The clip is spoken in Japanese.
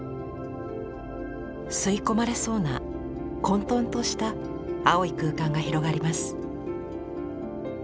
吸い込まれそうな混とんとした青い空間が広がります。